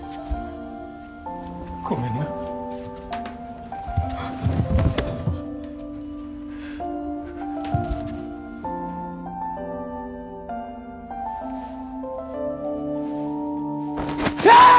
ごめんなあーっ！